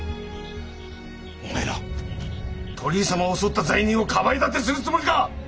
おめえら鳥居様を襲った罪人をかばい立てするつもりか！？